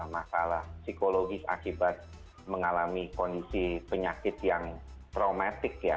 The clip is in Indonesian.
masalah psikologis akibat mengalami kondisi penyakit yang traumatik ya